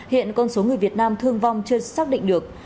hiện con số người việt nam thương vong chưa xác định được